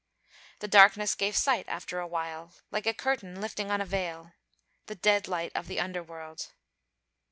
The darkness gave sight after a while, like a curtain lifting on a veil: the dead light of the underworld.